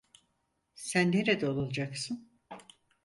Sen nerede olacaksın?